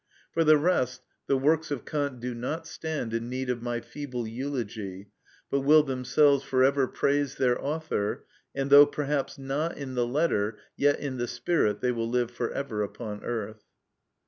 For the rest, the works of Kant do not stand in need of my feeble eulogy, but will themselves for ever praise their author, and though perhaps not in the letter, yet in the spirit they will live for ever upon earth.